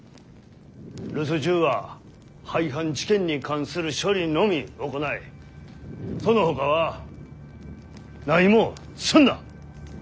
留守中は廃藩置県に関する処理のみ行いそのほかは何もすんな。